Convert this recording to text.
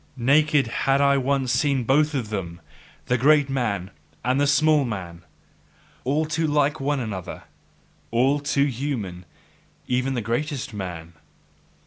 Naked had I once seen both of them, the greatest man and the smallest man: all too like one another all too human, even the greatest man!